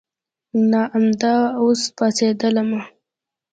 نه امدا اوس پاڅېدلمه.